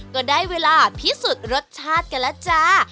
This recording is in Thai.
ก็ได้เวลาพิสูจน์รสชาติกันแล้วจ้า